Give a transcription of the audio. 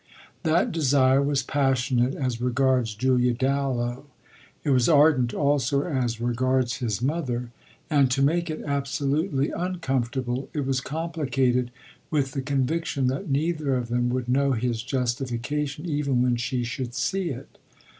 That desire was passionate as regards Julia Dallow; it was ardent also as regards his mother; and, to make it absolutely uncomfortable, it was complicated with the conviction that neither of them would know his justification even when she should see it.